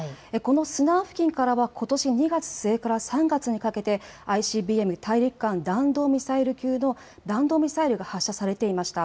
このスナン付近からはことし２月末から３月にかけてＩＣＢＭ・大陸間弾道ミサイル級の弾道ミサイルが発射されていました。